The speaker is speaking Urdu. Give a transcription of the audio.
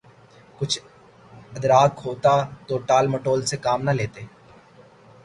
کچھ ادراک ہوتا تو ٹال مٹول سے کام نہ لیتے۔